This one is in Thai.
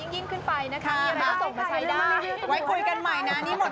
ขอบคุณนะคะได้ค่ะบ๊ายบายค่ะสวัสดีค่ะค่ะ